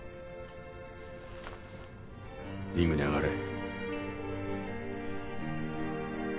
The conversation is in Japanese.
リングに上がれ。